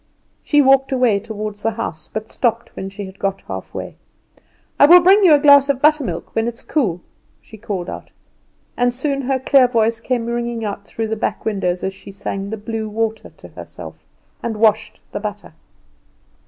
She walked away toward the house, but stopped when she got half way. "I will bring you a glass of buttermilk when it is cool," she called out; and soon her clear voice came ringing out through the back windows as she sang the "Blue Water" to herself, and washed the butter.